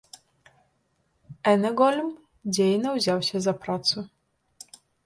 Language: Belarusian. Энегольм дзейна ўзяўся за працу.